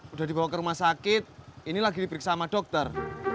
udah dibawa ke rumah sakit ini lagi diperiksa sama dokter